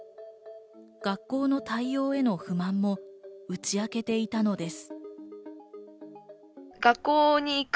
学校の対応への不満も打ち明けていたのです。